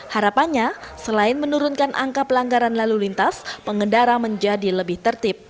harapannya selain menurunkan angka pelanggaran lalu lintas pengendara menjadi lebih tertib